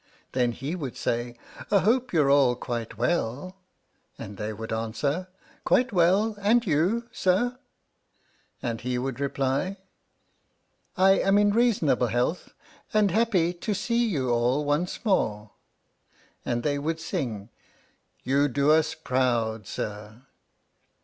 Then he would say: I hope you're all quite well! And they would answer: Quite well, and you, Sir? And he would reply : I am in reasonable health, and happy To see you all once more. And they would sing: You do us proud, Sir!